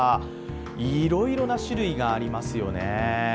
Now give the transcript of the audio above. いろいろな種類がありますよね。